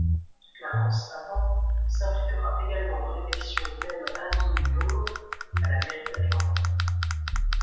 Clarence Avant s’impliquera également dans l’élection du même Andrew Young à la mairie d’Atlanta.